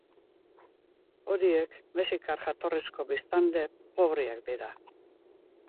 Horiek mexikar jatorrizko biztanle pobreak dira.